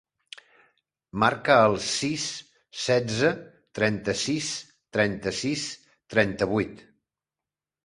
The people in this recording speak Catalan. Marca el sis, setze, trenta-sis, trenta-sis, trenta-vuit.